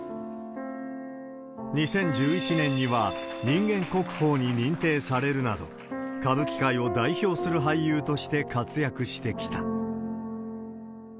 ２０１１年には人間国宝に認定されるなど、歌舞伎界を代表する俳優として活躍してきた。